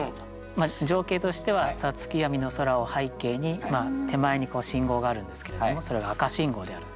情景としては五月闇の空を背景に手前に信号があるんですけれどもそれが赤信号であると。